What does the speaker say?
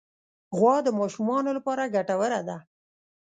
غوا د ماشومانو لپاره ګټوره ده.